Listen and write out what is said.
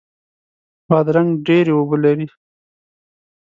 بادرنګ ډیرې اوبه لري.